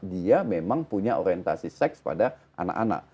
dia memang punya orientasi seks pada anak anak